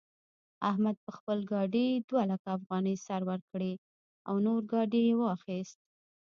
احمد په خپل ګاډي دوه لکه افغانۍ سر ورکړې او نوی ګاډی يې واخيست.